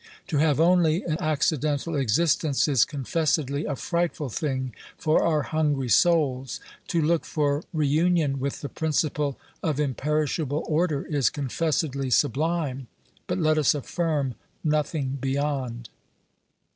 To have only an accidental existence is confessedly a frightful thing for our hungry souls ; to look for reunion with the principle of imperishable order is confessedly sublime; but let us affirm nothing beyond.